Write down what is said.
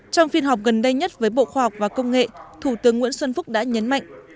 trong phiên họp gần đây nhất với bộ khoa học và công nghệ thủ tướng nguyễn xuân phúc đã nhấn mạnh